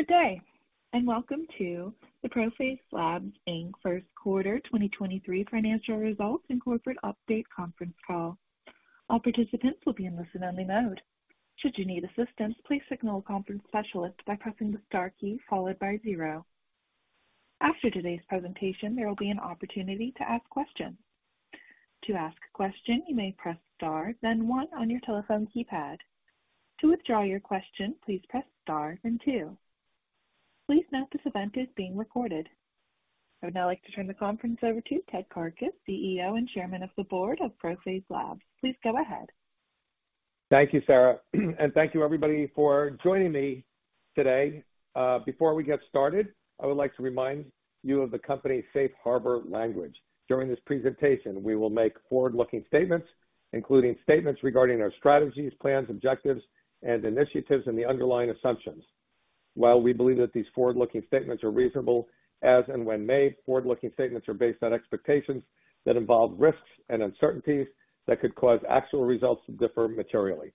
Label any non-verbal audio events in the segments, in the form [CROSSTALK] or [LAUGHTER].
Good day, welcome to the ProPhase Labs, Inc. first quarter 2023 financial results and corporate update conference call. All participants will be in listen-only mode. Should you need assistance, please signal a conference specialist by pressing the star key followed by zero. After today's presentation, there will be an opportunity to ask questions. To ask a question, you may press star then one on your telephone keypad. To withdraw your question, please press star then two. Please note this event is being recorded. I would now like to turn the conference over to Ted Karkus, CEO and Chairman of the Board of ProPhase Labs. Please go ahead. Thank you, Sarah, and thank you everybody for joining me today. Before we get started, I would like to remind you of the company's safe harbor language. During this presentation, we will make forward-looking statements, including statements regarding our strategies, plans, objectives, and initiatives, and the underlying assumptions. While we believe that these forward-looking statements are reasonable as and when made, forward-looking statements are based on expectations that involve risks and uncertainties that could cause actual results to differ materially.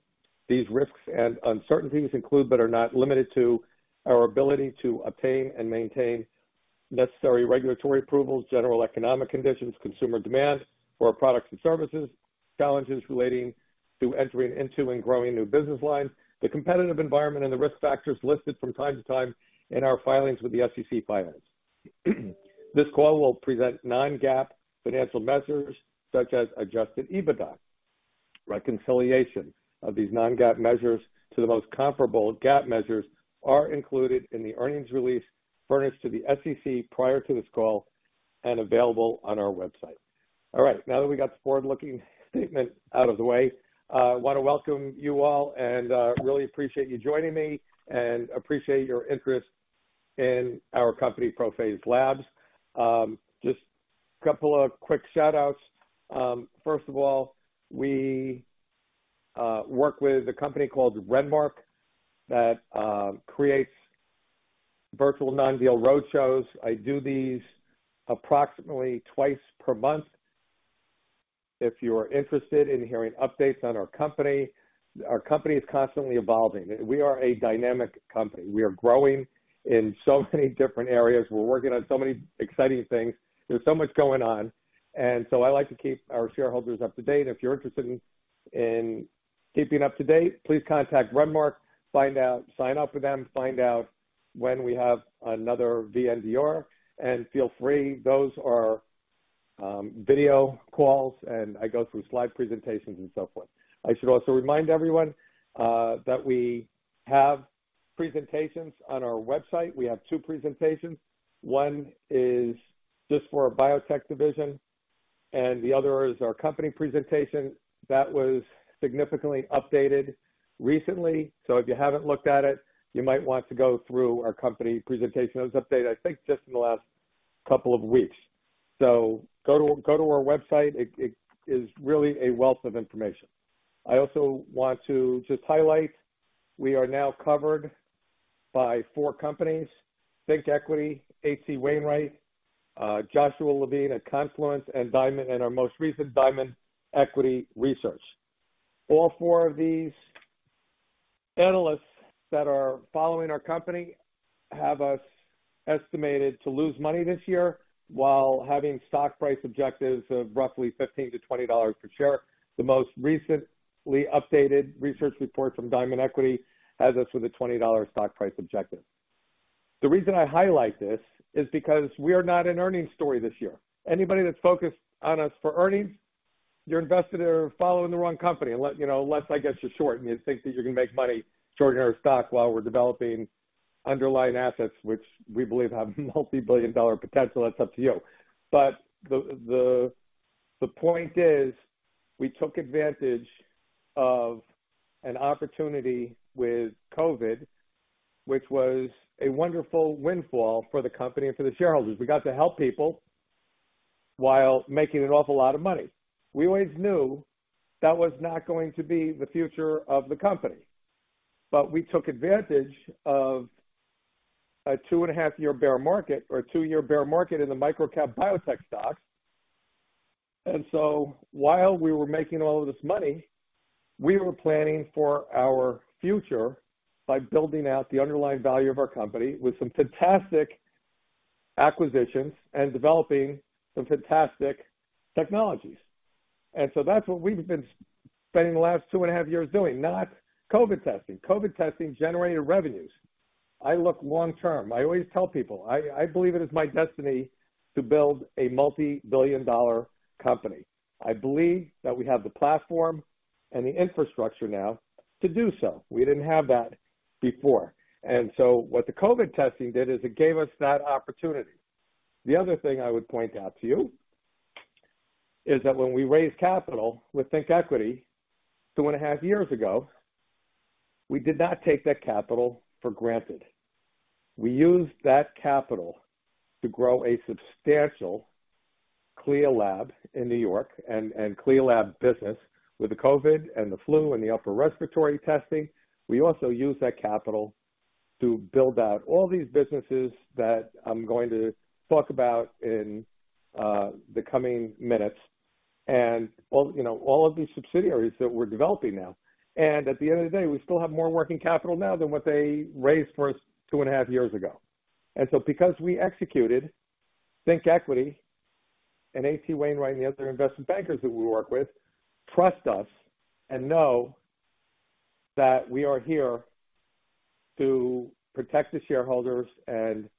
These risks and uncertainties include, but are not limited to, our ability to obtain and maintain necessary regulatory approvals, general economic conditions, consumer demand for our products and services, challenges relating to entering into and growing new business lines, the competitive environment, and the risk factors listed from time to time in our filings with the SEC filings. This call will present non-GAAP financial measures such as Adjusted EBITDA. Reconciliations of these non-GAAP measures to the most comparable GAAP measures are included in the earnings release furnished to the SEC prior to this call and available on our website. All right. Now that we got the forward-looking statement out of the way, I wanna welcome you all and really appreciate you joining me and appreciate your interest in our company, ProPhase Labs. Just a couple of quick shout-outs. First of all, we work with a company called Renmark that creates virtual non-deal roadshows. I do these approximately twice per month. If you are interested in hearing updates on our company, our company is constantly evolving. We are a dynamic company. We are growing in so many different areas. We're working on so many exciting things. There's so much going on. So I like to keep our shareholders up to date. If you're interested in keeping up to date, please contact Renmark. Sign up with them. Find out when we have another VNDR, and feel free. Those are video calls, and I go through slide presentations and so forth. I should also remind everyone that we have presentations on our website. We have two presentations. One is just for our biotech division and the other is our company presentation. That was significantly updated recently. If you haven't looked at it, you might want to go through our company presentation. It was updated, I think, just in the last couple of weeks. Go to our website. It is really a wealth of information. I also want to just highlight we are now covered by four companies, ThinkEquity, H.C. Wainwright, Joshua Levine at Confluence, and Diamond, and our most recent, Diamond Equity Research. All four of these analysts that are following our company have us estimated to lose money this year while having stock price objectives of roughly $15-$20 per share. The most recently updated research report from Diamond Equity has us with a $20 stock price objective. The reason I highlight this is because we are not an earnings story this year. Anybody that's focused on us for earnings, you're invested or following the wrong company. You know, unless I guess you're short and you think that you're gonna make money shorting our stock while we're developing underlying assets which we believe have multi-billion dollar potential. That's up to you. The point is we took advantage of an opportunity with COVID, which was a wonderful windfall for the company and for the shareholders. We got to help people while making an awful lot of money. We always knew that was not going to be the future of the company. We took advantage of a 2.5-year bear market or a two-year bear market in the microcap biotech stocks. While we were making all of this money, we were planning for our future by building out the underlying value of our company with some fantastic acquisitions and developing some fantastic technologies. That's what we've been spending the last 2.5 years doing, not COVID testing. COVID testing generated revenues. I look long term. I always tell people, I believe it is my destiny to build a multi-billion dollar company. I believe that we have the platform and the infrastructure now to do so. We didn't have that before. What the COVID testing did is it gave us that opportunity. The other thing I would point out to you is that when we raised capital with ThinkEquity 2.5 years ago, we did not take that capital for granted. We used that capital to grow a substantial CLIA lab in New York and CLIA lab business with the COVID and the flu and the upper respiratory testing. We also used that capital to build out all these businesses that I'm going to talk about in the coming minutes. All, you know, all of these subsidiaries that we're developing now. At the end of the day, we still have more working capital now than what they raised for us two and a half years ago. Because we executed, ThinkEquity and H.C. Wainwright, and the other investment bankers that we work with, trust us and know that we are here to protect the shareholders and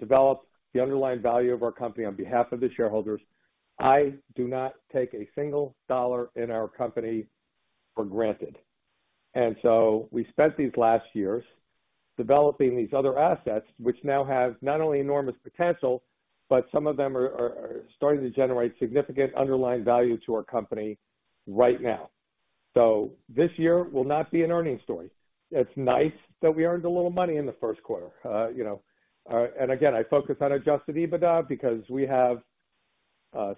develop the underlying value of our company on behalf of the shareholders. I do not take a single dollar in our company for granted. We spent these last years developing these other assets which now have not only enormous potential, but some of them are starting to generate significant underlying value to our company right now. This year will not be an earnings story. It's nice that we earned a little money in the first quarter. you know, again, I focus on Adjusted EBITDA because we have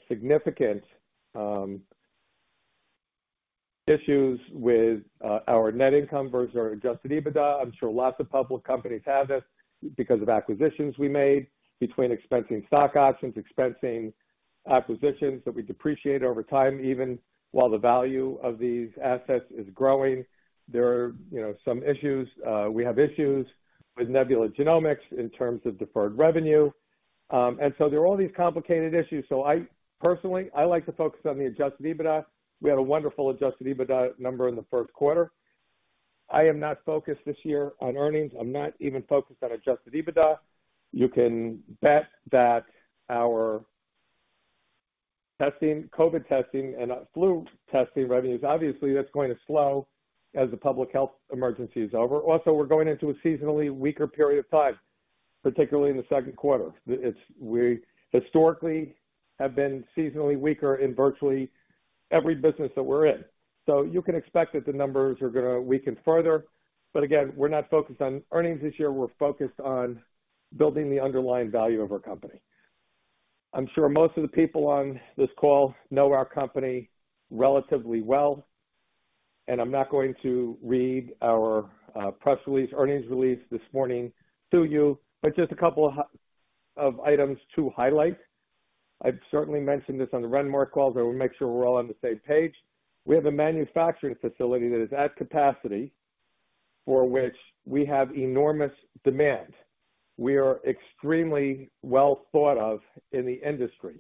significant issues with our net income versus our Adjusted EBITDA. I'm sure lots of public companies have this because of acquisitions we made between expensing stock options, expensing acquisitions that we depreciate over time even while the value of these assets is growing. There are, you know, some issues. We have issues with Nebula Genomics in terms of deferred revenue. There are all these complicated issues. Personally, I like to focus on the Adjusted EBITDA. We had a wonderful Adjusted EBITDA number in the first quarter. I am not focused this year on earnings. I'm not even focused on Adjusted EBITDA. You can bet that our testing, COVID testing and flu testing revenues, obviously that's going to slow as the public health emergency is over. We're going into a seasonally weaker period of time, particularly in the second quarter. We historically have been seasonally weaker in virtually every business that we're in. You can expect that the numbers are gonna weaken further. Again, we're not focused on earnings this year. We're focused on building the underlying value of our company. I'm sure most of the people on this call know our company relatively well, and I'm not going to read our press release, earnings release this morning to you, but just a couple of items to highlight. I've certainly mentioned this on the Renmark call, but we'll make sure we're all on the same page. We have a manufacturing facility that is at capacity for which we have enormous demand. We are extremely well thought of in the industry.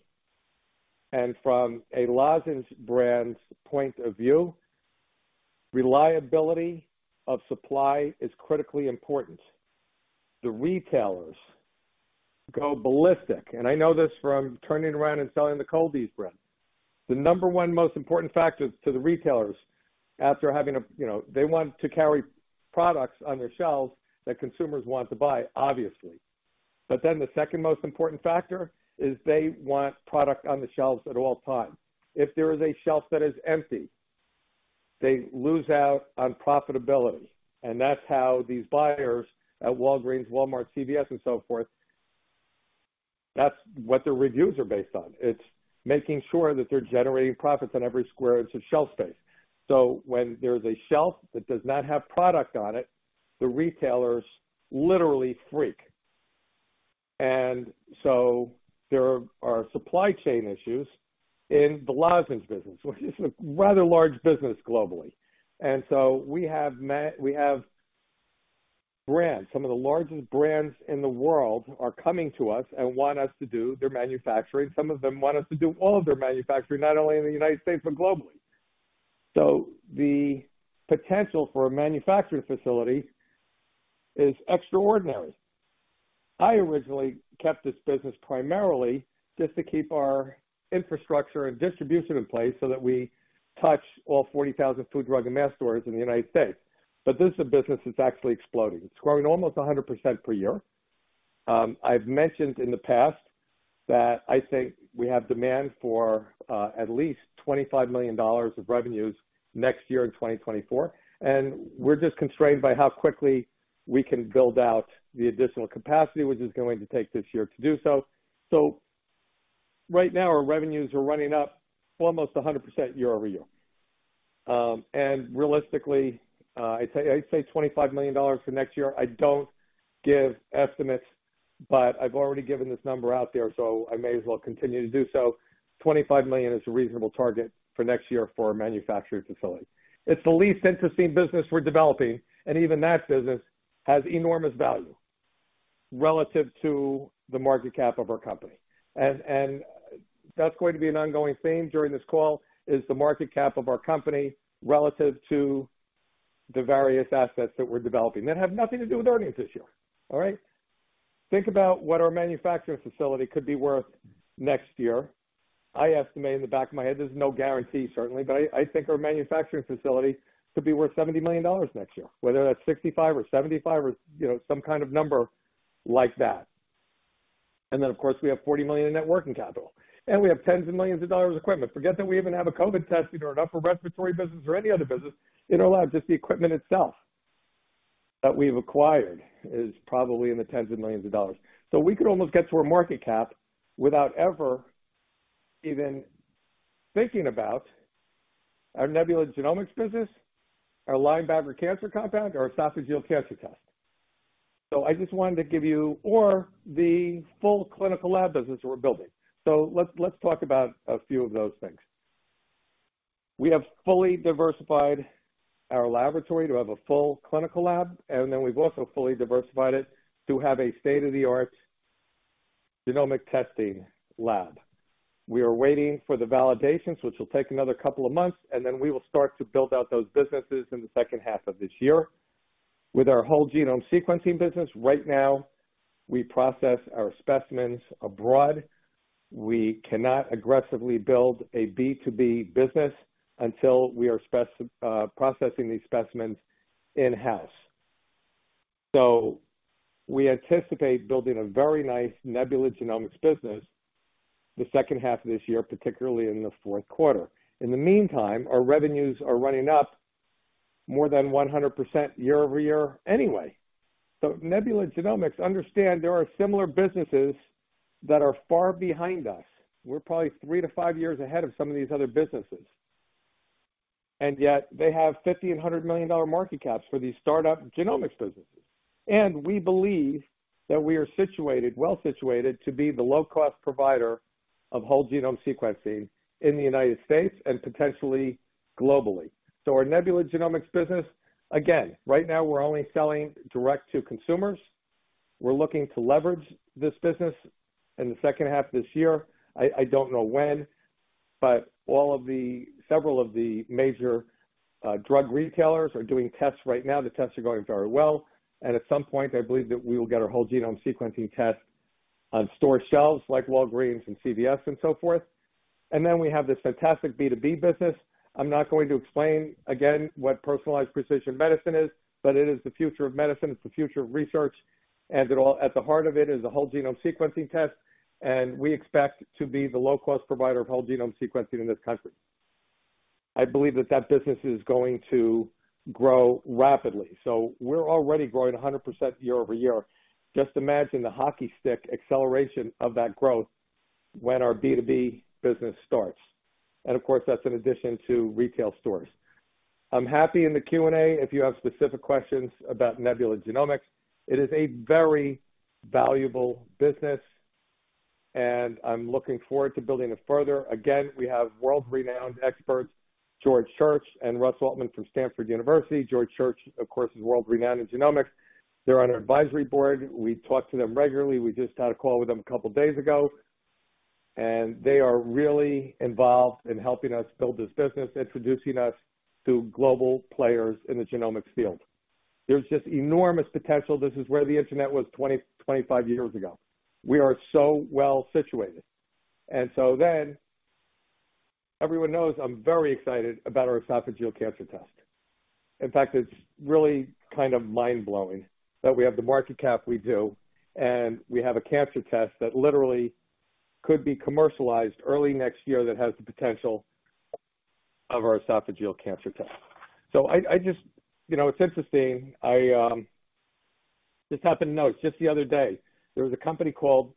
From a lozenge brand's point of view, reliability of supply is critically important. The retailers go ballistic, and I know this from turning around and selling the Cold-EEZE brand. The number one most important factor to the retailers after having a, you know, they want to carry products on their shelves that consumers want to buy, obviously. The second most important factor is they want product on the shelves at all times. If there is a shelf that is empty, they lose out on profitability. That's how these buyers at Walgreens, Walmart, CVS, and so forth, that's what their reviews are based on. It's making sure that they're generating profits on every square inch of shelf space. When there's a shelf that does not have product on it, the retailers literally freak. There are supply chain issues in the lozenges business, which is a rather large business globally. We have brands, some of the largest brands in the world are coming to us and want us to do their manufacturing. Some of them want us to do all of their manufacturing, not only in the United States, but globally. The potential for a manufacturing facility is extraordinary. I originally kept this business primarily just to keep our infrastructure and distribution in place so that we touch all 40,000 food, drug, and mass stores in the United States. This is a business that's actually exploding. It's growing almost 100% per year. I've mentioned in the past that I think we have demand for at least $25 million of revenues next year in 2024, and we're just constrained by how quickly we can build out the additional capacity, which is going to take this year to do so. Right now, our revenues are running up almost 100% year-over-year. Realistically, I'd say $25 million for next year. I don't give estimates, but I've already given this number out there, so I may as well continue to do so. $25 million is a reasonable target for next year for our manufacturing facility. It's the least interesting business we're developing, and even that business has enormous value relative to the market cap of our company. That's going to be an ongoing theme during this call, is the market cap of our company relative to the various assets that we're developing that have nothing to do with earnings this year. All right? Think about what our manufacturing facility could be worth next year. I estimate in the back of my head, there's no guarantee certainly, but I think our manufacturing facility could be worth $70 million next year. Whether that's $65 million or $75 million or, you know, some kind of number like that. Of course, we have $40 million in net working capital, and we have tens of millions of dollars of equipment. Forget that we even have a COVID testing or an upper respiratory business or any other business in our lab. Just the equipment itself that we've acquired is probably in the tens of millions of dollars. We could almost get to our market cap without ever even thinking about our Nebula Genomics business, our Linebacker cancer compound, our esophageal cancer test. I just wanted to give you. Or the full clinical lab business we're building. Let's, let's talk about a few of those things. We have fully diversified our laboratory to have a full clinical lab, and then we've also fully diversified it to have a state-of-the-art genomic testing lab. We are waiting for the validations, which will take another couple of months, and then we will start to build out those businesses in the second half of this year. With our whole genome sequencing business, right now, we process our specimens abroad. We cannot aggressively build a B2B business until we are processing these specimens in-house. We anticipate building a very nice Nebula Genomics business the second half of this year, particularly in the fourth quarter. In the meantime, our revenues are running up more than 100% year-over-year anyway. Nebula Genomics, understand there are similar businesses that are far behind us. We're probably 3-5 years ahead of some of these other businesses. Yet they have $50 million and $100 million market caps for these startup genomics businesses. We believe that we are situated, well situated to be the low cost provider of whole genome sequencing in the United States and potentially globally. Our Nebula Genomics business, again, right now we're only selling direct to consumers. We're looking to leverage this business in the second half of this year. I don't know when. Several of the major drug retailers are doing tests right now. The tests are going very well. At some point, I believe that we will get our whole genome sequencing test on store shelves like Walgreens and CVS and so forth. We have this fantastic B2B business. I'm not going to explain again what personalized precision medicine is, but it is the future of medicine, it's the future of research. At the heart of it is a whole genome sequencing test, and we expect to be the low cost provider of whole genome sequencing in this country. I believe that that business is going to grow rapidly. We're already growing 100% year-over-year. Just imagine the hockey stick acceleration of that growth when our B2B business starts. Of course, that's in addition to retail stores. I'm happy in the Q&A if you have specific questions about Nebula Genomics. It is a very valuable business, and I'm looking forward to building it further. We have world-renowned experts, George Church and Russ Altman from Stanford University. George Church, of course, is world-renowned in genomics. They're on our advisory board. We talk to them regularly. We just had a call with them a couple days ago, and they are really involved in helping us build this business, introducing us to global players in the genomics field. There's just enormous potential. This is where the Internet was 20, 25 years ago. We are so well situated. Everyone knows I'm very excited about our esophageal cancer test. In fact, it's really kind of mind-blowing that we have the market cap we do, and we have a cancer test that literally could be commercialized early next year that has the potential of our esophageal cancer test. I just. You know, it's interesting. It's just the other day. There was a company called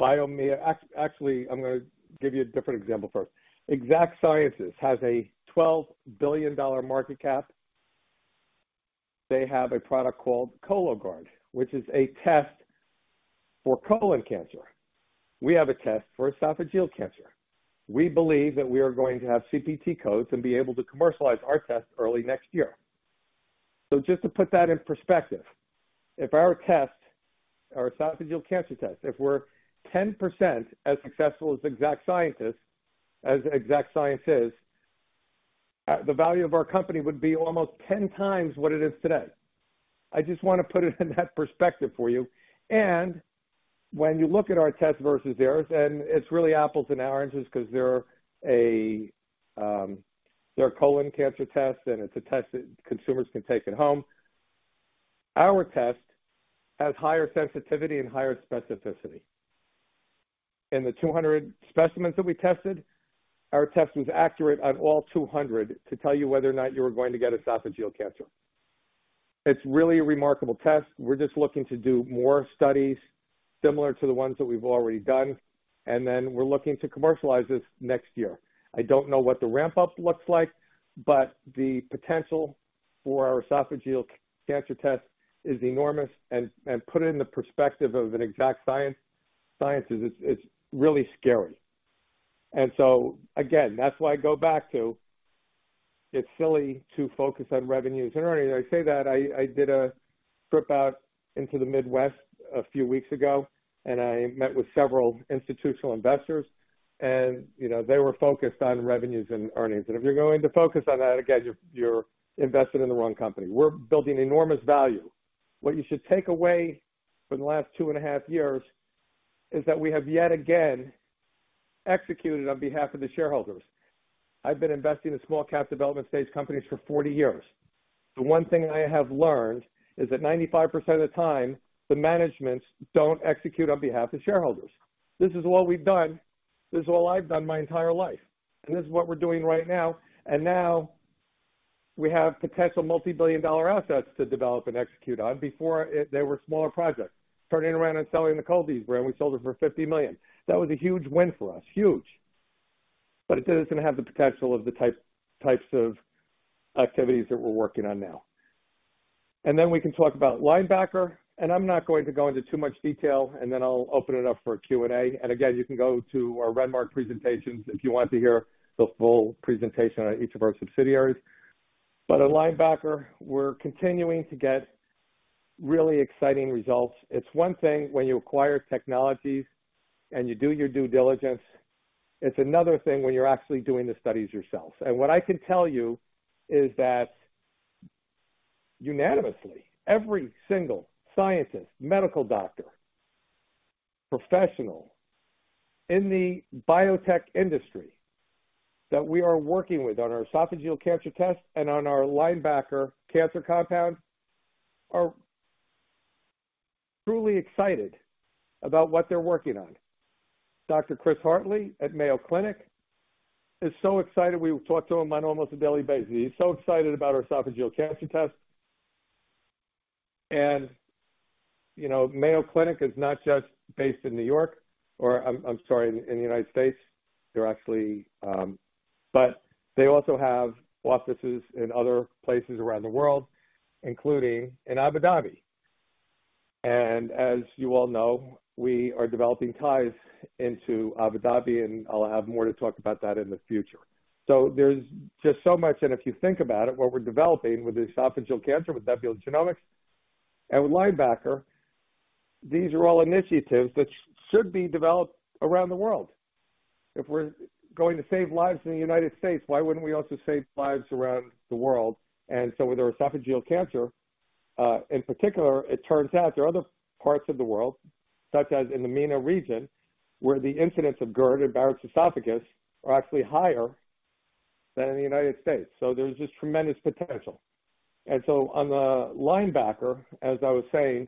Biome. Actually, I'm gonna give you a different example first. Exact Sciences has a $12 billion market cap. They have a product called Cologuard, which is a test for colon cancer. We have a test for esophageal cancer. We believe that we are going to have CPT codes and be able to commercialize our test early next year. Just to put that in perspective, if our test, our esophageal cancer test, if we're 10% as successful as Exact Sciences is, the value of our company would be almost 10x what it is today. I just wanna put it in that perspective for you. When you look at our test versus theirs, and it's really apples and oranges because they're a, they're a colon cancer test, and it's a test that consumers can take at home. Our test has higher sensitivity and higher specificity. In the 200 specimens that we tested, our test was accurate on all 200 to tell you whether or not you were going to get esophageal cancer. It's really a remarkable test. We're just looking to do more studies similar to the ones that we've already done, and then we're looking to commercialize this next year. I don't know what the ramp-up looks like, but the potential for our esophageal cancer test is enormous. Put it in the perspective of an Exact Sciences, it's really scary. Again, that's why I go back to, it's silly to focus on revenues and earnings. I say that I did a trip out into the Midwest a few weeks ago, and I met with several institutional investors and, you know, they were focused on revenues and earnings. If you're going to focus on that, again, you're invested in the wrong company. We're building enormous value. What you should take away from the last two and a half years is that we have yet again executed on behalf of the shareholders. I've been investing in small cap development stage companies for 40 years. The one thing I have learned is that 95% of the time, the managements don't execute on behalf of shareholders. This is what we've done. This is what I've done my entire life. This is what we're doing right now. Now we have potential multi-billion dollar assets to develop and execute on. Before it, they were smaller projects. Turning around and selling the Cold-EEZE brand, we sold it for $50 million. That was a huge win for us. Huge. It is gonna have the potential of the types of activities that we're working on now. Then we can talk about Linebacker, and I'm not going to go into too much detail, and then I'll open it up for Q&A. Again, you can go to our Renmark presentations if you want to hear the full presentation on each of our subsidiaries. At Linebacker, we're continuing to get really exciting results. It's one thing when you acquire technologies and you do your due diligence. It's another thing when you're actually doing the studies yourself. What I can tell you is that unanimously, every single scientist, medical doctor, professional in the biotech industry that we are working with on our esophageal cancer test and on our Linebacker cancer compound are truly excited about what they're working on. Dr. Chris Hartley at Mayo Clinic is so excited. We talk to him on almost a daily basis. He's so excited about our esophageal cancer test. You know, Mayo Clinic is not just based in New York or, I'm sorry, in the United States. They're actually, they also have offices in other places around the world, including in Abu Dhabi. As you all know, we are developing ties into Abu Dhabi, and I'll have more to talk about that in the future. There's just so much, and if you think about it, what we're developing with esophageal cancer, with Epigenomics and with Linebacker, these are all initiatives which should be developed around the world. If we're going to save lives in the United States, why wouldn't we also save lives around the world? With our esophageal cancer, in particular, it turns out there are other parts of the world, such as in the MENA region, where the incidence of GERD and Barrett's esophagus are actually higher than in the United States. There's just tremendous potential. On the Linebacker, as I was saying,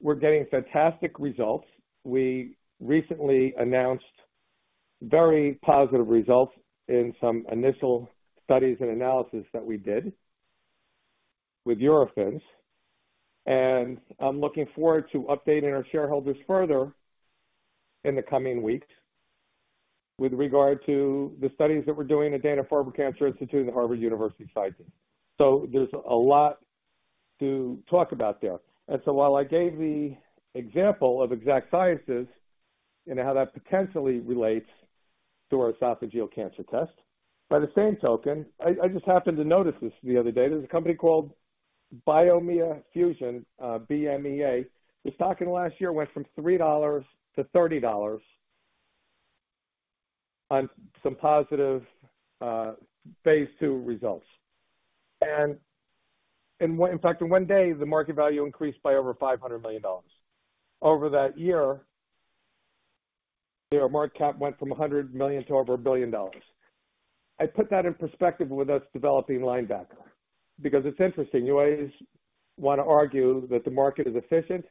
we're getting fantastic results. We recently announced very positive results in some initial studies and analysis that we did with Eurofins, and I'm looking forward to updating our shareholders further in the coming weeks with regard to the studies that we're doing at Dana-Farber Cancer Institute and Harvard University sites. There's a lot to talk about there. While I gave the example of Exact Sciences and how that potentially relates to our esophageal cancer test, by the same token, I just happened to notice this the other day. There's a company called Biomea Fusion, BMEA. The stock in last year went from $3-$30 on some positive Phase 2 results. In fact, in one day, the market value increased by over $500 million. Over that year, their market cap went from $100 million to over $1 billion. I put that in perspective with us developing Linebacker, because it's interesting. You always wanna argue that the market is efficient,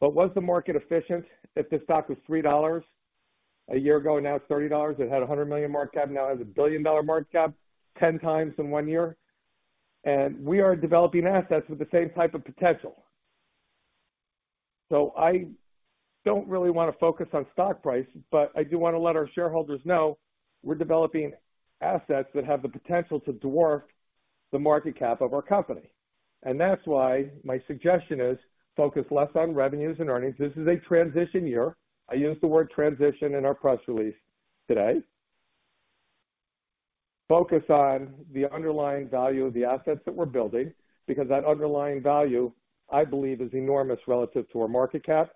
but was the market efficient if the stock was $3 a year ago, now it's $30? It had a $100 million market cap, now it has a $1 billion-dollar market cap, 10x in one year. We are developing assets with the same type of potential. I don't really wanna focus on stock price, but I do wanna let our shareholders know we're developing assets that have the potential to dwarf the market cap of our company. That's why my suggestion is focus less on revenues and earnings. This is a transition year. I used the word transition in our press release today. Focus on the underlying value of the assets that we're building, because that underlying value, I believe, is enormous relative to our market cap.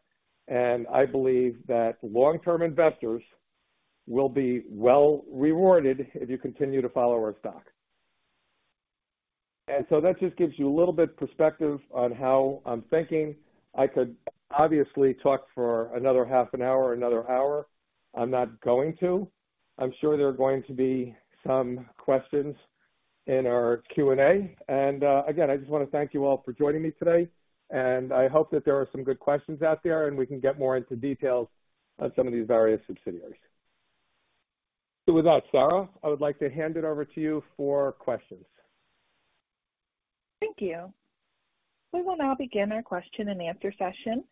I believe that long-term investors will be well rewarded if you continue to follow our stock. That just gives you a little bit perspective on how I'm thinking. I could obviously talk for another half an hour, another hour. I'm not going to. I'm sure there are going to be some questions in our Q&A. Again, I just wanna thank you all for joining me today, and I hope that there are some good questions out there, and we can get more into details on some of these various subsidiaries. With that, Sarah, I would like to hand it over to you for questions. Thank you. We will now begin our question and answer session.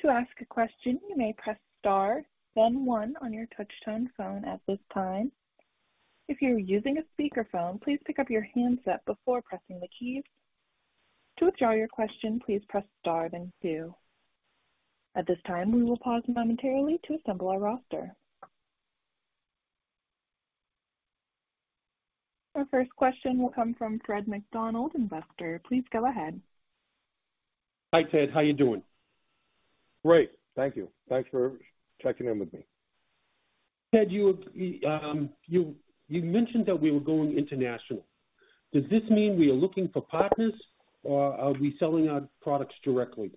To ask a question, you may press star then one on your touchtone phone at this time. If you're using a speakerphone, please pick up your handset before pressing the keys. To withdraw your question, please press star then two. At this time, we will pause momentarily to assemble our roster. Our first question will come from Fred McDonald, investor. Please go ahead. Hi, Ted. How are you doing? Great. Thank you. Thanks for checking in with me. Ted, you mentioned that we were going international. Does this mean we are looking for partners or are we selling our products directly?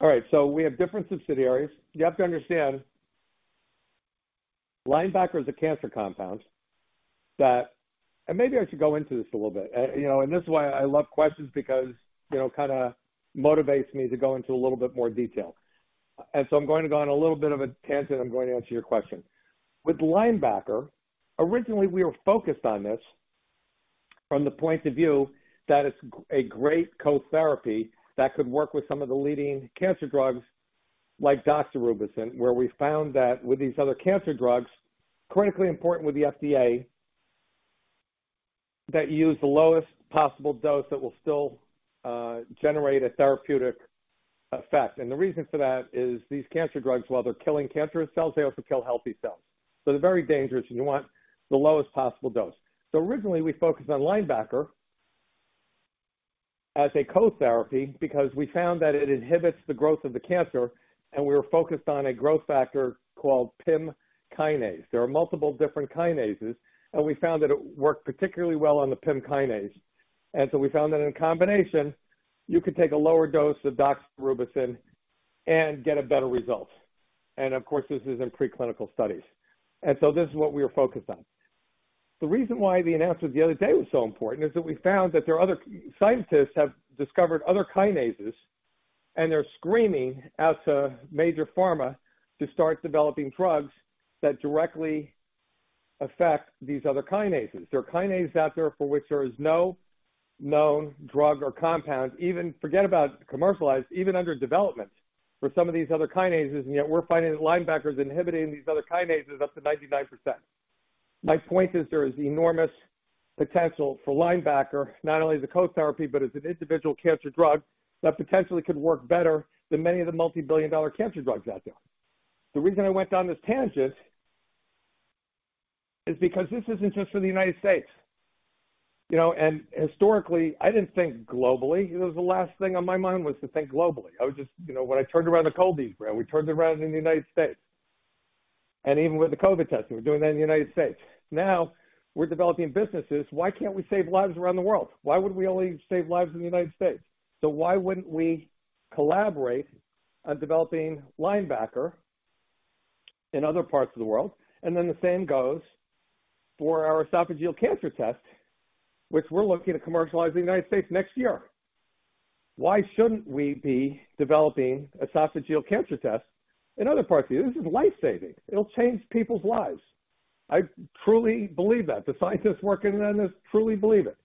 All right, we have different subsidiaries. You have to understand Linebacker is a cancer compound that. Maybe I should go into this a little bit. You know, this is why I love questions because, you know, it kinda motivates me to go into a little bit more detail. I'm going to go on a little bit of a tangent. I'm going to answer your question. With Linebacker, originally, we were focused on this. From the point of view that it's a great co-therapy that could work with some of the leading cancer drugs like doxorubicin, where we found that with these other cancer drugs, critically important with the FDA, that use the lowest possible dose that will still generate a therapeutic effect. The reason for that is these cancer drugs, while they're killing cancerous cells, they also kill healthy cells. They're very dangerous, and you want the lowest possible dose. Originally we focused on Linebacker as a co-therapy because we found that it inhibits the growth of the cancer, and we were focused on a growth factor called Pim kinase. There are multiple different kinases, and we found that it worked particularly well on the Pim kinase. We found that in combination, you could take a lower dose of doxorubicin and get a better result. Of course, this is in preclinical studies. This is what we are focused on. The reason why the announcement the other day was so important is that we found that there are other scientists have discovered other kinases, and they're screaming out to major pharma to start developing drugs that directly affect these other kinases. There are kinases out there for which there is no known drug or compound, even forget about commercialized, even under development for some of these other kinases. We're finding that Linebacker is inhibiting these other kinases up to 99%. My point is there is enormous potential for Linebacker, not only as a co-therapy, but as an individual cancer drug that potentially could work better than many of the multi-billion dollar cancer drugs out there. The reason I went down this tangent is because this isn't just for the United States. You know, historically, I didn't think globally. It was the last thing on my mind was to think globally. I was just, you know, when I turned around the Cold-EEZE brand, we turned it around in the United States. Even with the COVID testing, we're doing that in the United States. Now we're developing businesses. Why can't we save lives around the world? Why would we only save lives in the United States? Why wouldn't we collaborate on developing Linebacker in other parts of the world? The same goes for our esophageal cancer test, which we're looking to commercialize in the United States next year. Why shouldn't we be developing esophageal cancer tests in other parts of the? This is life-saving. It'll change people's lives. I truly believe that. The scientists working on this truly believe it.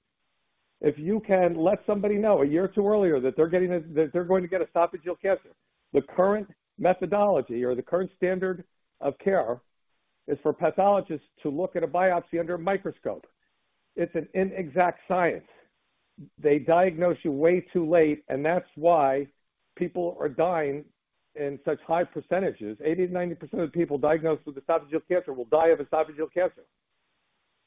If you can let somebody know a year or two earlier that they're going to get esophageal cancer, the current methodology or the current standard of care is for pathologists to look at a biopsy under a microscope. It's an inexact science. They diagnose you way too late, and that's why people are dying in such high percentages. 80%-90% of people diagnosed with esophageal cancer will die of esophageal cancer.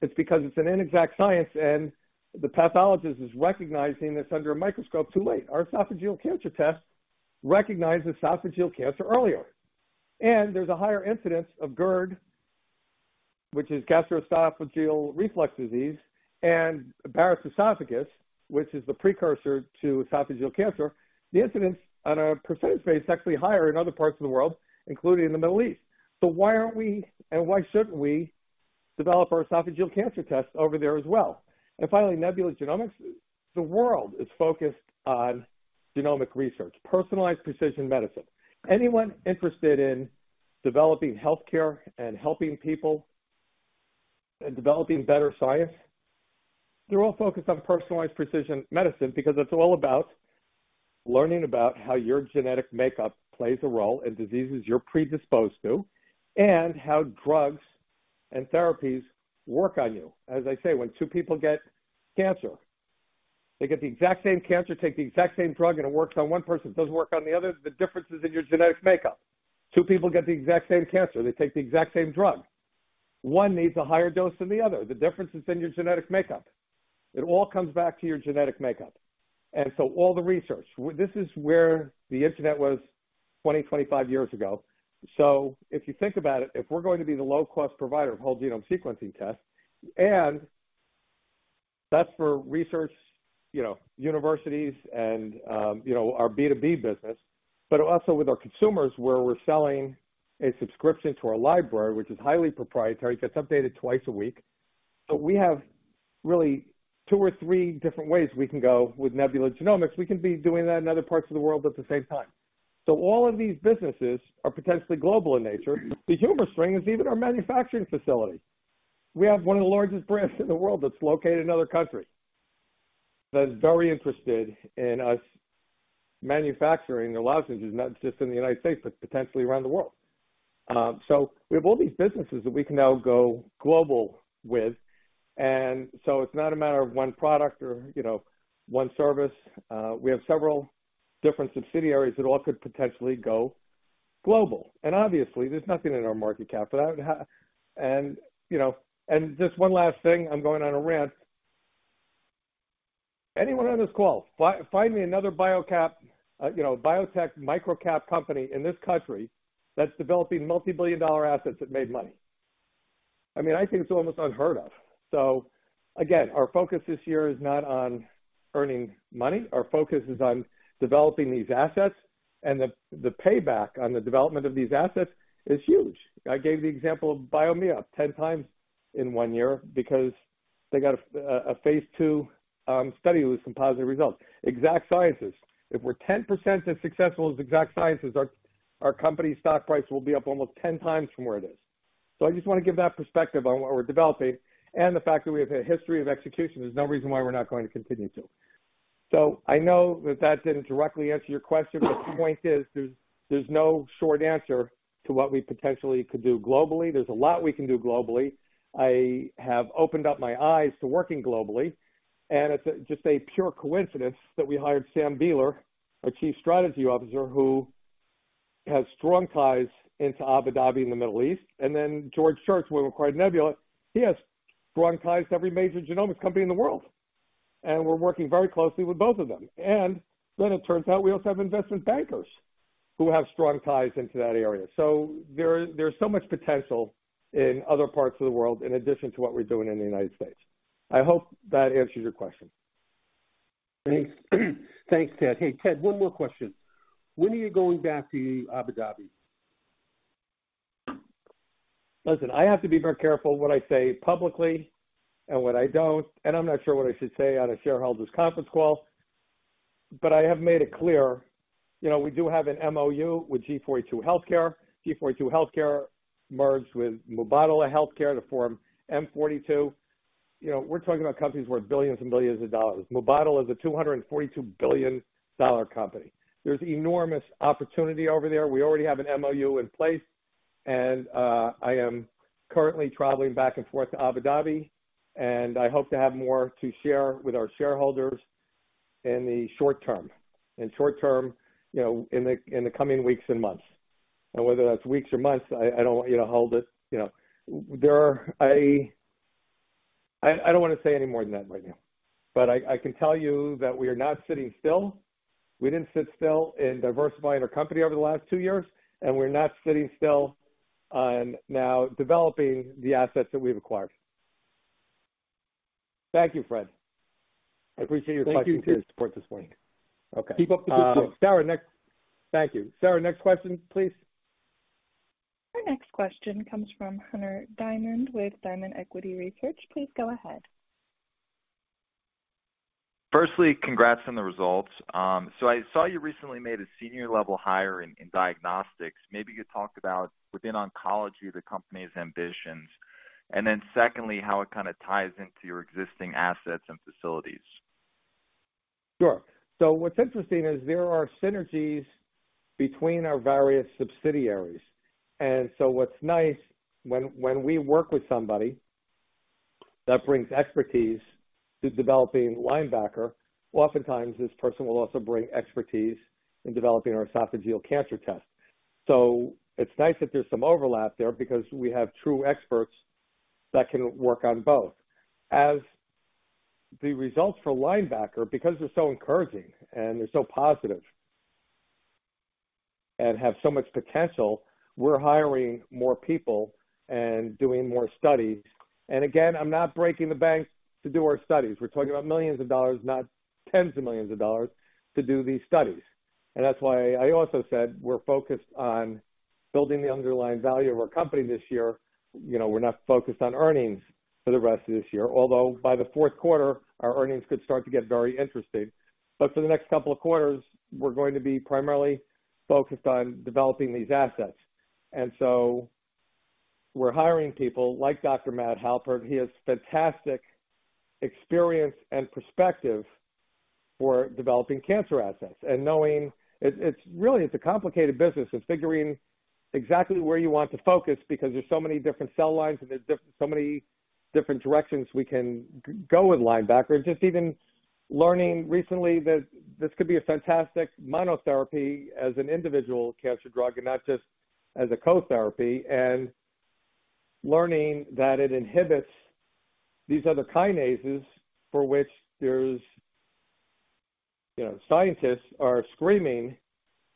It's because it's an inexact science, and the pathologist is recognizing this under a microscope too late. Our esophageal cancer test recognizes esophageal cancer earlier. There's a higher incidence of GERD, which is gastroesophageal reflux disease, and Barrett's esophagus, which is the precursor to esophageal cancer. The incidence on a percentage rate is actually higher in other parts of the world, including in the Middle East. Why aren't we, and why shouldn't we develop our esophageal cancer test over there as well? Finally, Nebula Genomics. The world is focused on genomic research, personalized precision medicine. Anyone interested in developing healthcare and helping people and developing better science, they're all focused on personalized precision medicine because it's all about learning about how your genetic makeup plays a role in diseases you're predisposed to and how drugs and therapies work on you. As I say, when two people get cancer, they get the exact same cancer, take the exact same drug, and it works on one person, it doesn't work on the other. The difference is in your genetic makeup. Two people get the exact same cancer, they take the exact same drug. One needs a higher dose than the other. The difference is in your genetic makeup. It all comes back to your genetic makeup. All the research, this is where the internet was 20, 25 years ago. If you think about it, if we're going to be the low-cost provider of whole genome sequencing tests, and that's for research, you know, universities and, you know, our B2B business, but also with our consumers, where we're selling a subscription to our library, which is highly proprietary, gets updated twice a week. We have really two or three different ways we can go with Nebula Genomics. We can be doing that in other parts of the world at the same time. All of these businesses are potentially global in nature. The Humor String is even our manufacturing facility. We have one of the largest brands in the world that's located in another country, that is very interested in us manufacturing their licenses, not just in the United States, but potentially around the world. We have all these businesses that we can now go global with. It's not a matter of one product or, you know, one service. We have several different subsidiaries that all could potentially go global. Obviously, there's nothing in our market cap for that. You know, and just one last thing, I'm going on a rant. Anyone on this call, find me another bio cap, you know, biotech micro cap company in this country that's developing multi-billion dollar assets that made money. I mean, I think it's almost unheard of. Again, our focus this year is not on earning money. Our focus is on developing these assets, the payback on the development of these assets is huge. I gave the example of BioMe up 10x in one year because they got a phase II study with some positive results. Exact Sciences, if we're 10% as successful as Exact Sciences, our company stock price will be up almost 10x from where it is. I just wanna give that perspective on what we're developing and the fact that we have a history of execution. There's no reason why we're not going to continue to. I know that that didn't directly answer your question, but the point is there's no short answer to what we potentially could do globally. There's a lot we can do globally. I have opened up my eyes to working globally, and it's just a pure coincidence that we hired Sam Beeler, our Chief Strategy Officer, who has strong ties into Abu Dhabi in the Middle East, and then George Church, who we acquired Nebula. He has strong ties to every major genomics company in the world, and we're working very closely with both of them. It turns out we also have investment bankers who have strong ties into that area. There's so much potential in other parts of the world in addition to what we're doing in the United States. I hope that answers your question. Thanks. Thanks, Ted. Hey, Ted, one more question. When are you going back to Abu Dhabi? I have to be very careful what I say publicly and what I don't, and I'm not sure what I should say on a shareholders' conference call, but I have made it clear, you know, we do have an MOU with G42 Healthcare. G42 Healthcare merged with Mubadala Health to form M42. You know, we're talking about companies worth billions and billions of dollars. Mubadala is a $242 billion company. There's enormous opportunity over there. We already have an MOU in place, and I am currently traveling back and forth to Abu Dhabi, and I hope to have more to share with our shareholders in the short term. In short term, you know, in the coming weeks and months. Whether that's weeks or months, I don't want you to hold it, you know. I don't wanna say any more than that right now, but I can tell you that we are not sitting still. We didn't sit still in diversifying our company over the last two years, and we're not sitting still on now developing the assets that we've acquired. Thank you, Fred. I appreciate your question. Thank you, Ted, for your support this morning. Okay. [CROSSTALK] Keep up the good work. Sarah, next. Thank you. Sarah, next question, please. Our next question comes from Hunter Diamond with Diamond Equity Research. Please go ahead. Congrats on the results. I saw you recently made a senior level hire in diagnostics. Maybe you could talk about within oncology, the company's ambitions, secondly, how it kinda ties into your existing assets and facilities. What's interesting is there are synergies between our various subsidiaries. What's nice when we work with somebody that brings expertise to developing Linebacker, oftentimes this person will also bring expertise in developing our esophageal cancer test. It's nice that there's some overlap there because we have true experts that can work on both. As the results for Linebacker, because they're so encouraging and they're so positive and have so much potential, we're hiring more people and doing more studies. Again, I'm not breaking the banks to do our studies. We're talking about millions of dollars, not tens of millions of dollars to do these studies. That's why I also said we're focused on building the underlying value of our company this year. You know, we're not focused on earnings for the rest of this year, although by the fourth quarter, our earnings could start to get very interesting. For the next couple of quarters, we're going to be primarily focused on developing these assets. We're hiring people like Dr. Matt Halpert. He has fantastic experience and perspective for developing cancer assets and knowing it's really, it's a complicated business of figuring exactly where you want to focus because there's so many different cell lines, and there's so many different directions we can go with Linebacker. Just even learning recently that this could be a fantastic monotherapy as an individual cancer drug and not just as a co-therapy, and learning that it inhibits these other kinases for which there's, you know, scientists are screaming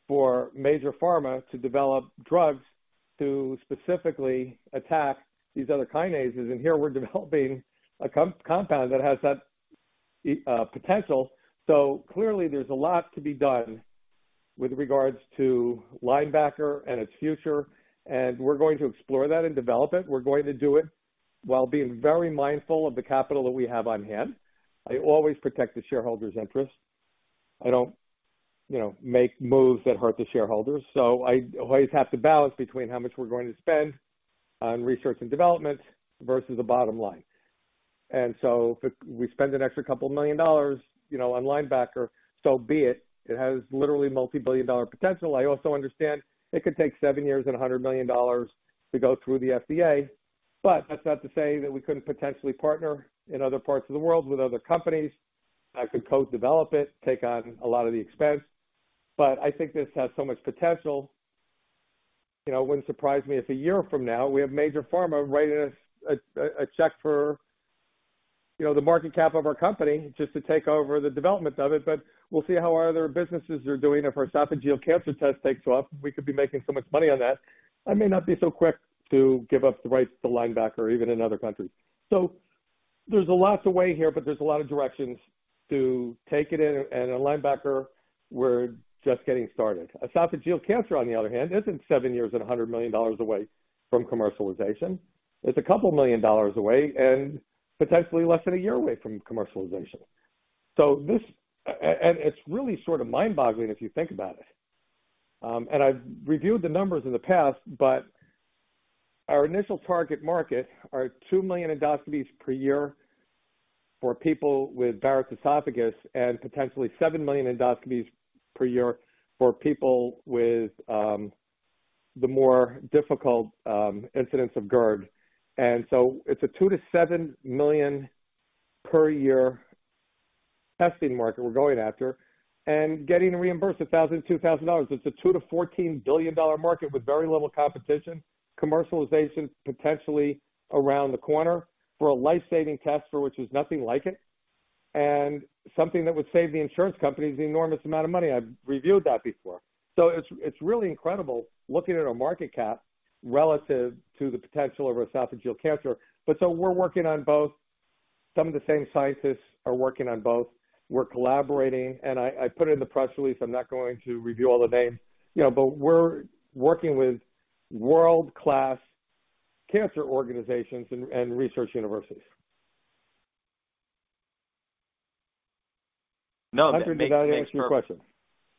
for major pharma to develop drugs to specifically attack these other kinases. Here we're developing a compound that has that potential. Clearly there's a lot to be done with regards to Linebacker and its future, and we're going to explore that and develop it. We're going to do it while being very mindful of the capital that we have on hand. I always protect the shareholders' interest. I don't, you know, make moves that hurt the shareholders. I always have to balance between how much we're going to spend on research and development versus the bottom line. If we spend an extra $2 million, you know, on Linebacker, so be it. It has literally multi-billion dollar potential. I also understand it could take seven years and $100 million to go through the FDA. That's not to say that we couldn't potentially partner in other parts of the world with other companies that could co-develop it, take on a lot of the expense. I think this has so much potential. You know, it wouldn't surprise me if a year from now, we have major pharma writing us a check for, you know, the market cap of our company just to take over the development of it. We'll see how our other businesses are doing. If our esophageal cancer test takes off, we could be making so much money on that. I may not be so quick to give up the rights to Linebacker even in other countries. There's a lots of ways here, but there's a lot of directions to take it in. In Linebacker, we're just getting started. Esophageal cancer, on the other hand, isn't seven years and $100 million away from commercialization. It's a couple million dollars away and potentially less than a year away from commercialization. It's really sort of mind-boggling if you think about it. I've reviewed the numbers in the past, but our initial target market are 2 million endoscopies per year for people with Barrett's esophagus and potentially 7 million endoscopies per year for people with the more difficult incidents of GERD. It's a 2 million-7 million per year testing market we're going after and getting reimbursed $1,000-$2,000. It's a $2 billion-$14 billion market with very little competition. Commercialization potentially around the corner for a life-saving test for which there's nothing like it, and something that would save the insurance companies an enormous amount of money. I've reviewed that before. It's really incredible looking at our market cap relative to the potential of esophageal cancer. We're working on both. Some of the same scientists are working on both. We're collaborating, and I put it in the press release. I'm not going to review all the names, you know, but we're working with world-class cancer organizations and research universities. No. [CROSSTALK] I think I answered your question.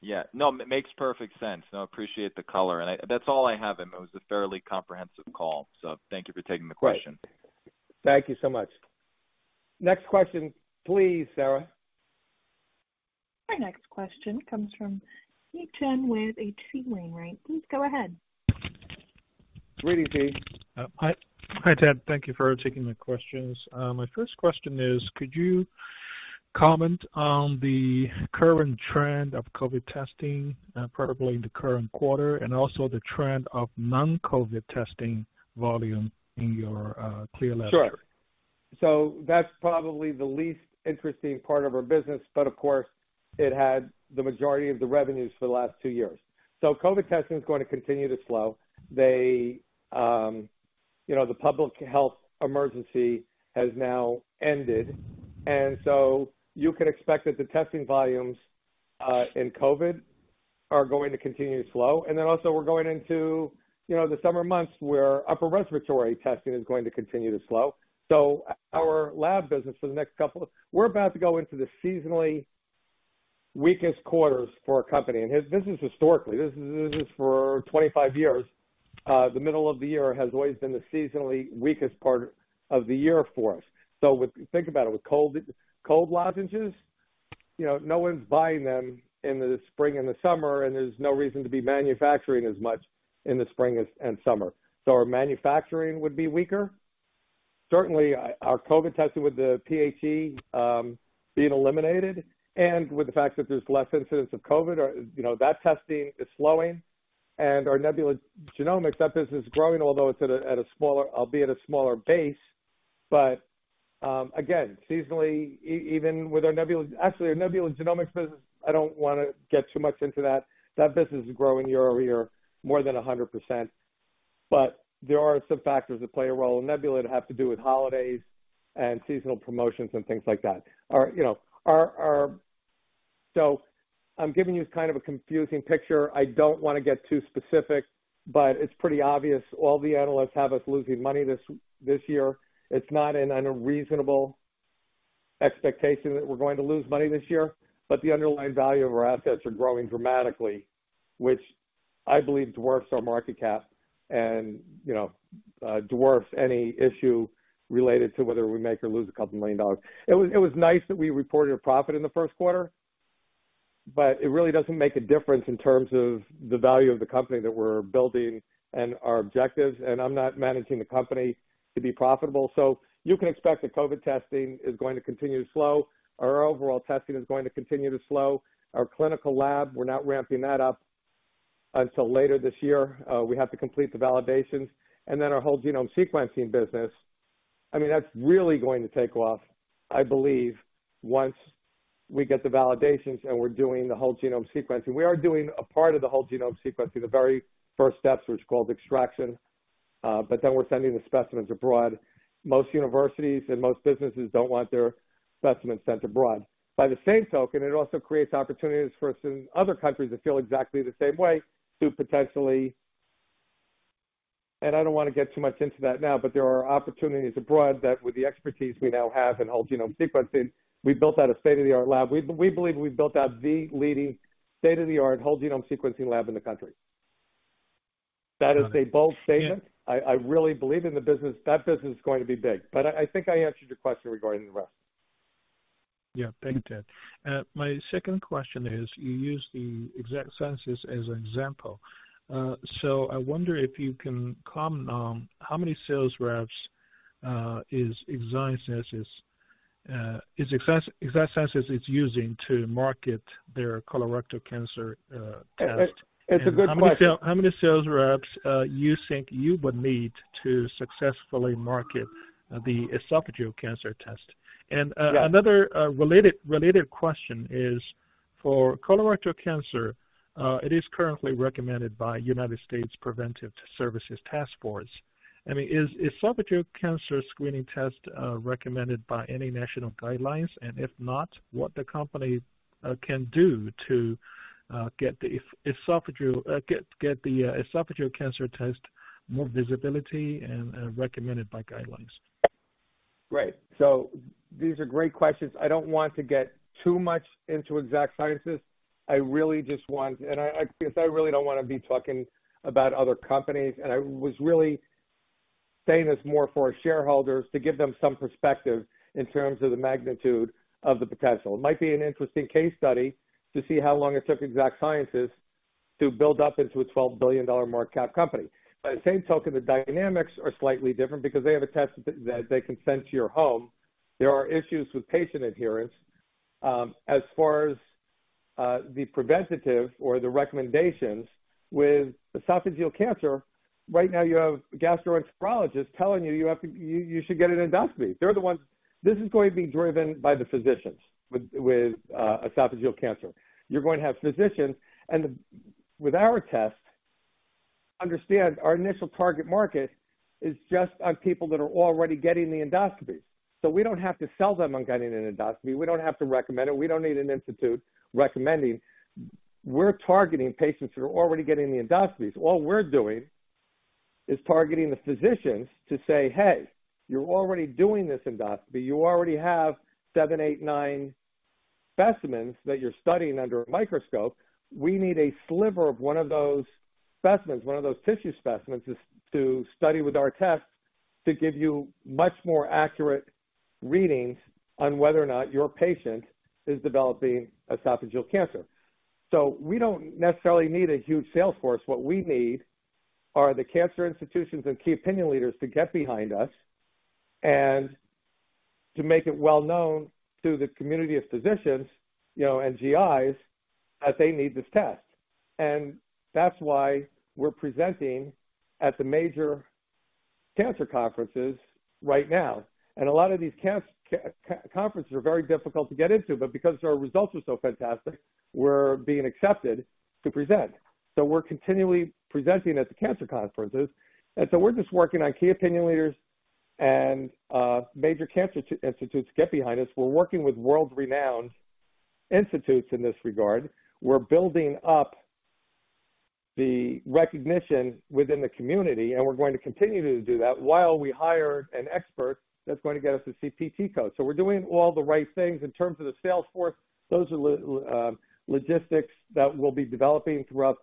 Yeah. No, it makes perfect sense. I appreciate the color. That's all I have. It was a fairly comprehensive call, so thank you for taking the question. Great. Thank you so much. Next question, please, Sarah. Our next question comes from Yi Chen with H.C. Wainwright. Please go ahead. Great, Yi. Hi, Ted. Thank you for taking the questions. My first question is, could you comment on the current trend of COVID testing, probably in the current quarter, and also the trend of non-COVID testing volume in your CLIA lab? Sure. That's probably the least interesting part of our business, but of course, it had the majority of the revenues for the last two years. COVID testing is going to continue to slow. You know, the public health emergency has now ended, you can expect that the testing volumes in COVID are going to continue to slow. Also we're going into, you know, the summer months where upper respiratory testing is going to continue to slow. Our lab business for the next couple of – we're about to go into the seasonally weakest quarters for our company. This is historically, this is for 25 years, the middle of the year has always been the seasonally weakest part of the year for us. Think about it, with cold lozenges, you know, no one's buying them in the spring and the summer, and there's no reason to be manufacturing as much in the spring and summer. Our manufacturing would be weaker. Certainly our COVID testing with the PHE being eliminated and with the fact that there's less incidents of COVID are, you know, that testing is slowing. Our Nebula Genomics, that business is growing, although it's at a smaller, albeit a smaller base. Again, seasonally. Actually, our Nebula Genomics business, I don't wanna get too much into that. That business is growing year-over-year more than 100%. There are some factors that play a role in Nebula that have to do with holidays and seasonal promotions and things like that. Our – I'm giving you kind of a confusing picture. I don't wanna get too specific, but it's pretty obvious all the analysts have us losing money this year. It's not an unreasonable expectation that we're going to lose money this year, the underlying value of our assets are growing dramatically, which I believe dwarfs our market cap and, you know, dwarfs any issue related to whether we make or lose a couple million dollars. It was nice that we reported a profit in the first quarter, it really doesn't make a difference in terms of the value of the company that we're building and our objectives, I'm not managing the company to be profitable. You can expect that COVID testing is going to continue to slow. Our overall testing is going to continue to slow. Our clinical lab, we're not ramping that up until later this year. We have to complete the validations. Our whole genome sequencing business, I mean, that's really going to take off, I believe, once we get the validations and we're doing the whole genome sequencing. We are doing a part of the whole genome sequencing, the very first steps, which is called extraction. We're sending the specimens abroad. Most universities and most businesses don't want their specimens sent abroad. By the same token, it also creates opportunities for us in other countries that feel exactly the same way to potentially – and I don't wanna get too much into that now, but there are opportunities abroad that with the expertise we now have in whole genome sequencing, we built out a state-of-the-art lab. We believe we've built out the leading state-of-the-art whole genome sequencing lab in the country. That is a bold statement. Yeah. [CROSSTALK] I really believe in the business. That business is going to be big. I think I answered your question regarding the rest. Yeah. Thanks, Ted. My second question is, you used the Exact Sciences as an example. I wonder if you can comment on how many sales reps Exact Sciences is using to market their colorectal cancer test? It's a good question. [CROSSTALK] How many sales reps, you think you would need to successfully market the esophageal cancer test? Yeah. Another related question is for colorectal cancer, it is currently recommended by U.S. Preventive Services Task Force. I mean, is esophageal cancer screening test recommended by any national guidelines? If not, what the company can do to get the esophageal cancer test more visibility and recommended by guidelines? Right. These are great questions. I don't want to get too much into Exact Sciences. I really don't wanna be talking about other companies, and I was really saying this more for our shareholders to give them some perspective in terms of the magnitude of the potential. It might be an interesting case study to see how long it took Exact Sciences to build up into a $12 billion market cap company. By the same token, the dynamics are slightly different because they have a test that they can send to your home. There are issues with patient adherence. As far as the preventative or the recommendations with esophageal cancer, right now you have gastroenterologists telling you should get an endoscopy. They're the ones. This is going to be driven by the physicians with esophageal cancer. You're going to have physicians. With our test, understand our initial target market is just on people that are already getting the endoscopy. We don't have to sell them on getting an endoscopy. We don't have to recommend it. We don't need an institute recommending. We're targeting patients who are already getting the endoscopies. All we're doing is targeting the physicians to say, "Hey, you're already doing this endoscopy. You already have seven, eight, nine specimens that you're studying under a microscope. We need a sliver of one of those specimens, one of those tissue specimens to study with our test to give you much more accurate readings on whether or not your patient is developing esophageal cancer." We don't necessarily need a huge sales force. What we need are the cancer institutions and key opinion leaders to get behind us and to make it well known to the community of physicians, you know, and GIs, that they need this test. That's why we're presenting at the major cancer conferences right now. A lot of these cancer conferences are very difficult to get into, but because our results are so fantastic, we're being accepted to present. We're continually presenting at the cancer conferences. We're just working on key opinion leaders and major cancer institutes to get behind us. We're working with world-renowned institutes in this regard. We're building up the recognition within the community, and we're going to continue to do that while we hire an expert that's gonna get us a CPT code. We're doing all the right things in terms of the sales force. Those are logistics that we'll be developing throughout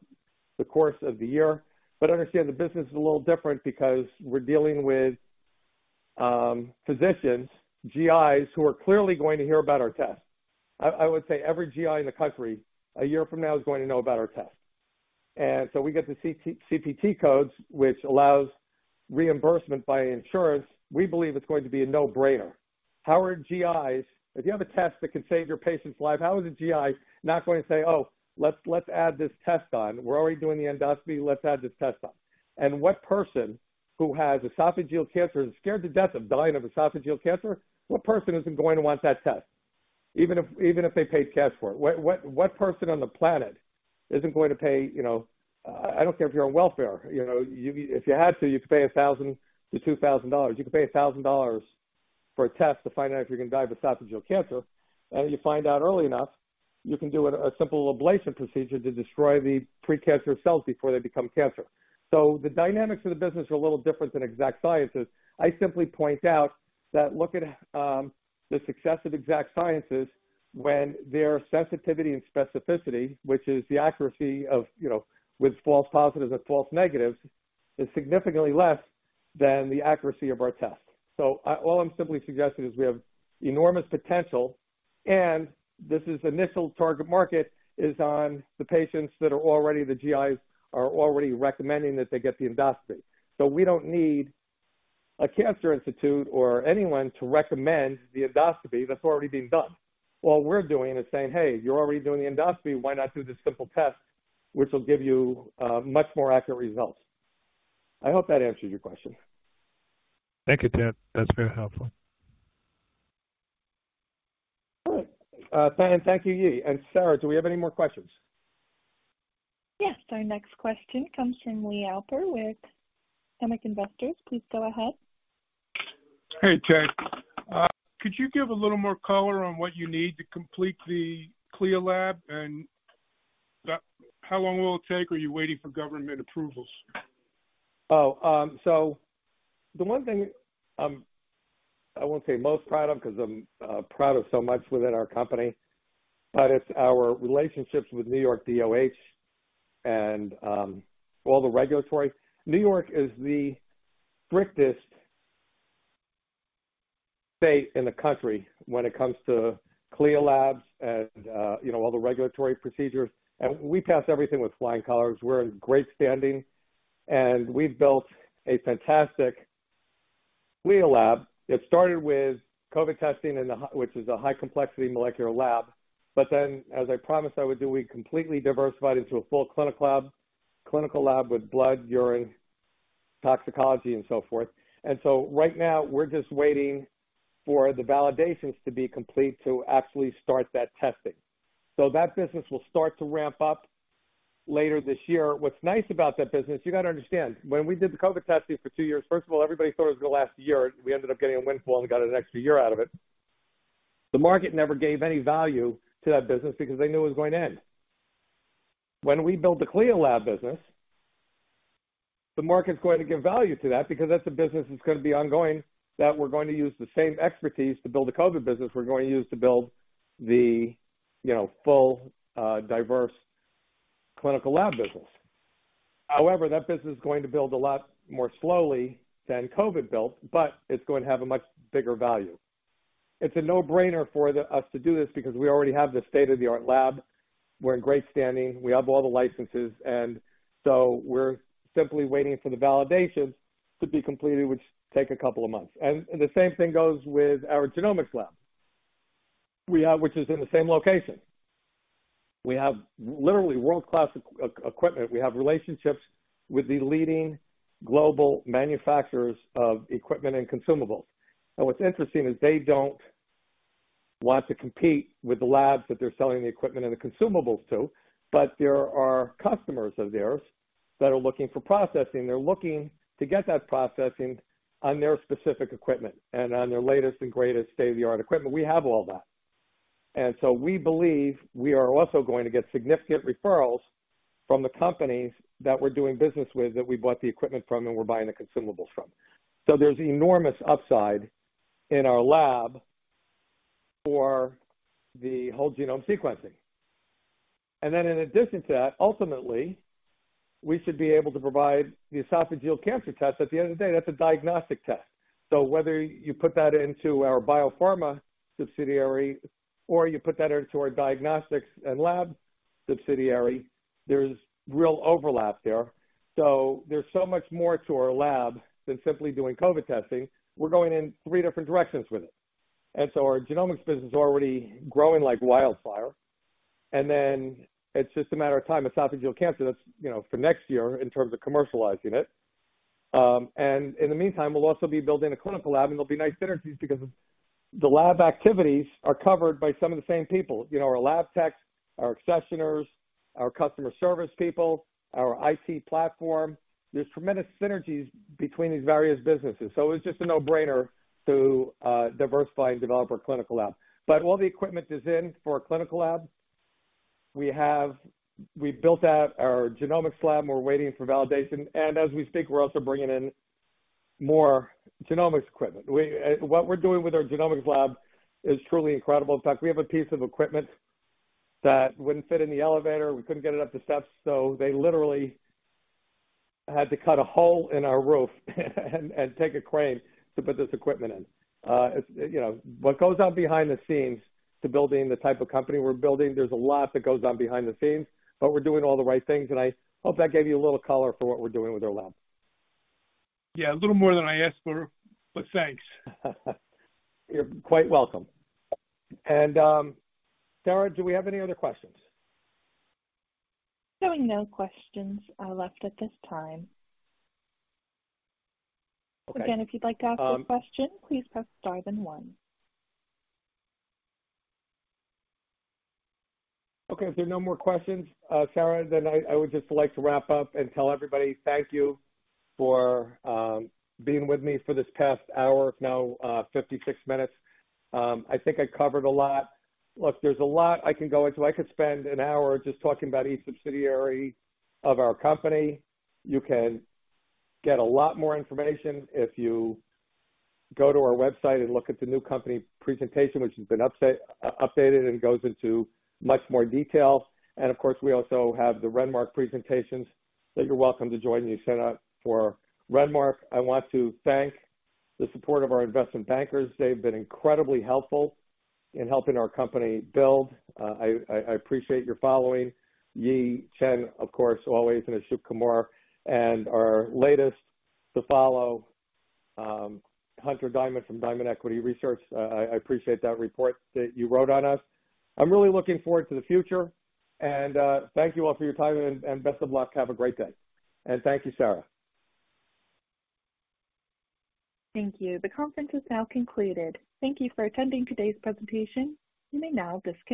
the course of the year. Understand the business is a little different because we're dealing with physicians, GIs, who are clearly going to hear about our test. I would say every GI in the country a year from now is going to know about our test. So we get the CPT codes, which allows reimbursement by insurance. We believe it's going to be a no-brainer. How are GIs, if you have a test that can save your patient's life, how is a GI not going to say, "Oh, let's add this test on. We're already doing the endoscopy. Let's add this test on"? What person who has esophageal cancer and scared to death of dying of esophageal cancer, what person isn't going to want that test? Even if they paid cash for it. What person on the planet isn't going to pay, you know, I don't care if you're on welfare. You know, if you had to, you could pay $1,000-$2,000. You could pay $1,000 for a test to find out if you're gonna die of esophageal cancer. If you find out early enough, you can do a simple ablation procedure to destroy the pre-cancerous cells before they become cancer. The dynamics of the business are a little different than Exact Sciences. I simply point out that look at the success of Exact Sciences when their sensitivity and specificity, which is the accuracy of, you know, with false positives and false negatives, is significantly less than the accuracy of our test. All I'm simply suggesting is we have enormous potential, and this is initial target market is on the patients that are already, the GIs are already recommending that they get the endoscopy. We don't need a cancer institute or anyone to recommend the endoscopy. That's already being done. All we're doing is saying, "Hey, you're already doing the endoscopy. Why not do this simple test which will give you much more accurate results?" I hope that answers your question. Thank you, Ted. That's very helpful. All right. Thank you, Yi. Sarah, do we have any more questions? Yes. Our next question comes from Lee Alper with Hammock Investors. Please go ahead. Hey, Ted. Could you give a little more color on what you need to complete the CLIA lab, and how long will it take? Are you waiting for government approvals? The one thing I won't say most proud of because I'm proud of so much within our company, but it's our relationships with New York DOH and all the regulatory. New York is the strictest state in the country when it comes to CLIA labs and, you know, all the regulatory procedures. We passed everything with flying colors. We're in great standing, and we've built a fantastic CLIA lab. It started with COVID testing which is a high complexity molecular lab, as I promised I would do, we completely diversified into a full clinical lab with blood, urine, toxicology and so forth. Right now we're just waiting for the validations to be complete to actually start that testing. That business will start to ramp up later this year. What's nice about that business, you gotta understand, when we did the COVID testing for two years, first of all, everybody thought it was gonna last a year. We ended up getting a windfall and got an extra year out of it. The market never gave any value to that business because they knew it was going to end. When we built the CLIA lab business. The market's going to give value to that because that's a business that's gonna be ongoing, that we're going to use the same expertise to build a COVID business we're going to use to build the, you know, full, diverse clinical lab business. However, that business is going to build a lot more slowly than COVID built, but it's going to have a much bigger value. It's a no-brainer for us to do this because we already have the state-of-the-art lab. We're in great standing. We have all the licenses. We're simply waiting for the validations to be completed, which take a couple of months. The same thing goes with our genomics lab. Which is in the same location. We have literally world-class equipment. We have relationships with the leading global manufacturers of equipment and consumables. What's interesting is they don't want to compete with the labs that they're selling the equipment and the consumables to, but there are customers of theirs that are looking for processing. They're looking to get that processing on their specific equipment and on their latest and greatest state-of-the-art equipment. We have all that. We believe we are also going to get significant referrals from the companies that we're doing business with, that we bought the equipment from and we're buying the consumables from. There's enormous upside in our lab for the whole genome sequencing. In addition to that, ultimately, we should be able to provide the esophageal cancer test. At the end of the day, that's a diagnostic test. Whether you put that into our biopharma subsidiary or you put that into our diagnostics and lab subsidiary, there's real overlap there. There's so much more to our lab than simply doing COVID testing. We're going in three different directions with it. Our genomics business is already growing like wildfire. It's just a matter of time. Esophageal cancer, that's, you know, for next year in terms of commercializing it. In the meantime, we'll also be building a clinical lab, and there'll be nice synergies because the lab activities are covered by some of the same people. You know, our lab techs, our accessioners, our customer service people, our IT platform. There's tremendous synergies between these various businesses. It's just a no-brainer to diversify and develop our clinical lab. All the equipment is in for our clinical lab. We built out our genomics lab, and we're waiting for validation. As we speak, we're also bringing in more genomics equipment. We what we're doing with our genomics lab is truly incredible. In fact, we have a piece of equipment that wouldn't fit in the elevator. We couldn't get it up the steps, so they literally had to cut a hole in our roof and take a crane to put this equipment in. It's, you know, what goes on behind the scenes to building the type of company we're building, there's a lot that goes on behind the scenes, but we're doing all the right things, and I hope that gave you a little color for what we're doing with our lab. Yeah, a little more than I asked for, but thanks. You're quite welcome. Sarah, do we have any other questions? Showing no questions left at this time. Okay. Again, if you'd like to ask a question, please press star then one. Okay. If there are no more questions, Sarah, I would just like to wrap up and tell everybody thank you for being with me for this past hour, if not 56 minutes. I think I covered a lot. Look, there's a lot I can go into. I could spend an hour just talking about each subsidiary of our company. You can get a lot more information if you go to our website and look at the new company presentation, which has been updated and goes into much more detail. Of course, we also have the Renmark presentations that you're welcome to join. You sign up for Renmark. I want to thank the support of our investment bankers. They've been incredibly helpful in helping our company build. I appreciate your following. Yi Chen, of course, always, and Ashu Kumar. Our latest to follow, Hunter Diamond from Diamond Equity Research. I appreciate that report that you wrote on us. I'm really looking forward to the future. Thank you all for your time and best of luck. Have a great day. Thank you, Sarah. Thank you. The conference is now concluded. Thank you for attending today's presentation. You may now disconnect.